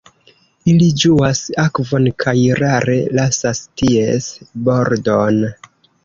Ili ĝuas akvon kaj rare lasas ties bordon.